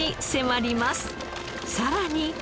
さらに。